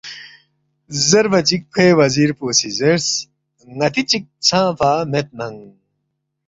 زیربا چِک کھوے وزیر پو سی زیرس، ”ن٘تی چِک ژھنگفا میدننگ